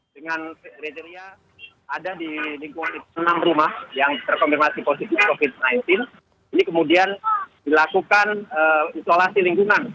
dengan kriteria ada di lingkungan enam rumah yang terkonfirmasi positif covid sembilan belas ini kemudian dilakukan isolasi lingkungan